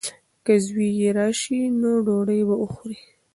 که زوی یې راشي نو ډوډۍ به وخوري.